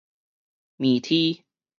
麵麶